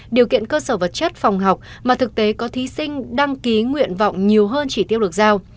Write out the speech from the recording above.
điều kiện cơ sở vật chất phòng học mà thực tế có thí sinh đăng ký nguyện vọng nhiều hơn chỉ tiêu được giao